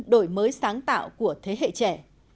đổi mới sáng tạo của thế hệ trẻ